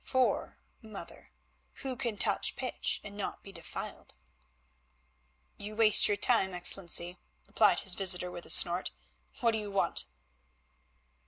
For, mother, who can touch pitch and not be defiled?" "You waste time, Excellency," replied his visitor with a snort. "What do you want?"